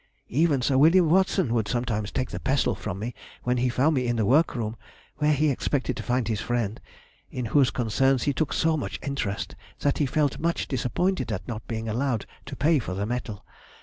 Even Sir William Watson would sometimes take the pestle from me when he found me in the work room, where he expected to find his friend, in whose concerns he took so much interest that he felt much disappointed at not being allowed to pay for the metal.